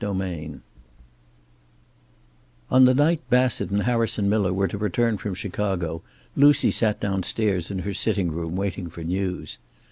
XXXVIII On the night Bassett and Harrison Miller were to return from Chicago Lucy sat downstairs in her sitting room waiting for news.